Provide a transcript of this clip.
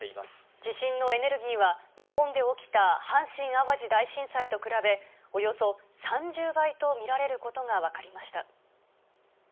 地震のエネルギーは日本で起きた阪神・淡路大震災と比べ、およそ３０倍と見られることが分かりました。